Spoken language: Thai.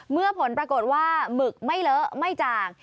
ผลปรากฏว่าหมึกไม่เลอะไม่จ่าง